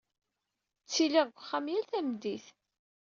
Ttiliɣ deg wexxam yal tameddit.